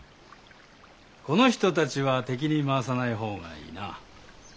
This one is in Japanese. この人たちは敵に回さない方がいいな。